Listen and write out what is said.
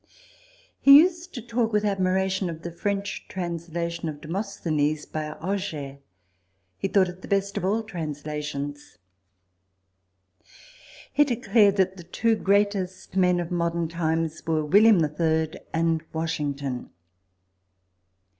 He used to talk with admiration of the French translation of Demosthenes by Auger : he thought it the best of all translations. He declared that the two greatest men of modern times were William the Third and Washington.